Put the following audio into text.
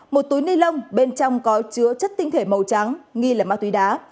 một túi ni lông bên trong có chứa chất tinh thể màu trắng nghi là ma túy đá